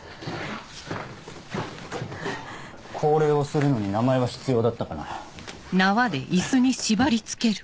降霊をするのに名前は必要だったかな？